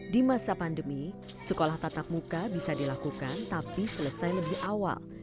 di masa pandemi sekolah tatap muka bisa dilakukan tapi selesai lebih awal